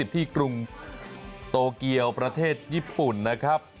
กรุงโตเกียวประเทศญี่ปุ่นนะครับ